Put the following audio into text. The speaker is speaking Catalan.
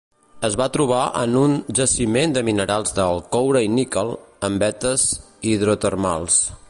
Es va trobar en un jaciment de minerals del coure i níquel, en vetes hidrotermals.